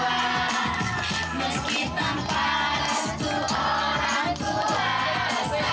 enggak enggak pernah pulang ke rumah